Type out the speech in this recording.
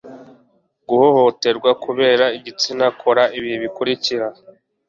guhohoterwa kubera igitsina kora ibi bikurikira